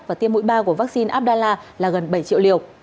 và tiêm mũi ba của vaccine abdallah là gần bảy triệu liều